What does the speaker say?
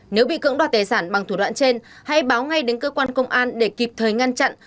nếu bị cưỡng đoạt tài sản bằng thủ đoạn trên hãy báo ngay đến cơ quan công an để kịp thời ngăn chặn